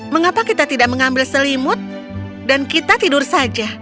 mengapa kita tidak mengambil selimut dan kita tidur saja